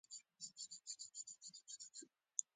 هغه زه ایسته کوم او مخفي لاره ده